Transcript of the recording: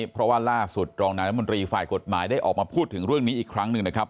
เพราะว่าล่าสุดรองนายรัฐมนตรีฝ่ายกฎหมายได้ออกมาพูดถึงเรื่องนี้อีกครั้งหนึ่งนะครับ